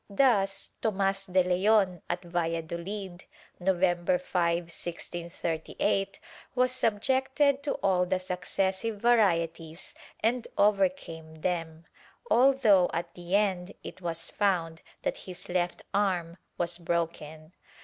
Thus Tomas de Leon, at Valla doUd, November 5, 1638, was subjected to all the successive varieties and overcame them, although at the end it was found that his left arm was broken.